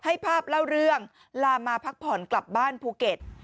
ให้ภาพเล่าเรื่องลามาพักผ่อนกลับบ้านภูเก็ต